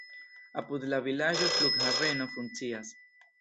Apud la vilaĝo flughaveno funkcias.